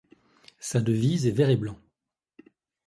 Sa devise est vert et blanc.